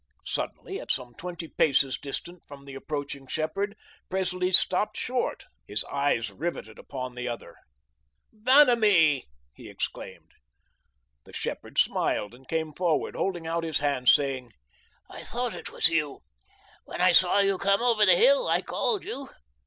Suddenly, at some twenty paces distant from the approaching shepherd, Presley stopped short, his eyes riveted upon the other. "Vanamee!" he exclaimed. The shepherd smiled and came forward, holding out his hands, saying, "I thought it was you. When I saw you come over the hill, I called you."